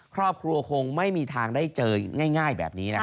ครอบครัวคงไม่มีทางได้เจอง่ายแบบนี้นะ